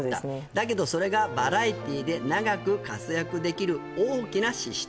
「だけどそれがバラエティで長く活躍できる」「大きな資質」